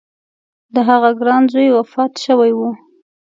د هغه ګران زوی وفات شوی و.